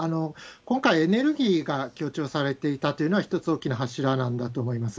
今回、エネルギーが強調されていたというのは一つ、大きな柱なんだと思います。